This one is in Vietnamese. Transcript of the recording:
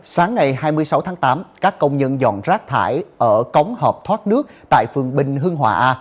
sáng ngày hai mươi sáu tháng tám các công nhân dọn rác thải ở cống hợp thoát nước tại phường bình hưng hòa a